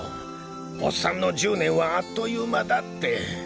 オッサンの１０年はあっという間だって。